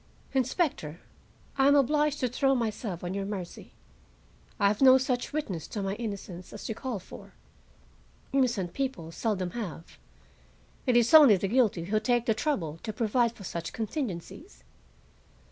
"Inspector, I am obliged to throw myself on your mercy. I have no such witness to my innocence as you call for. Innocent people seldom have. It is only the guilty who take the trouble to provide for such contingencies."